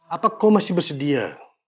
apa kau masih bersedia